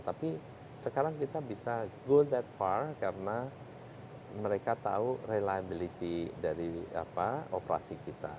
tapi sekarang kita bisa go that far karena mereka tahu reliability dari operasi kita